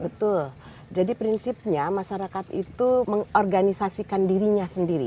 betul jadi prinsipnya masyarakat itu mengorganisasikan dirinya sendiri